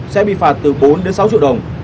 sẽ bị phạt từ bốn đến sáu triệu đồng